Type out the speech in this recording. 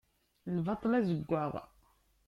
Lbaṭel azeggaɣ.